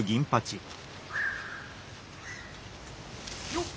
・よっ！